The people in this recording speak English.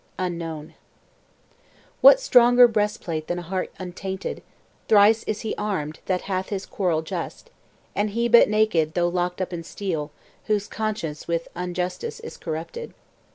UNKNOWN What stronger breast plate than a heart untainted? Thrice is he armed, that hath his quarrel just; And he but naked, though locked up in steel, Whose conscience with injustice is corrupted.